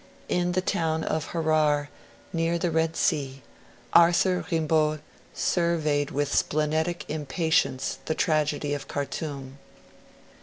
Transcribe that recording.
In the town of Harrar, near the Red Sea, Arthur Rimbaud surveyed with splenetic impatience the tragedy of Khartoum.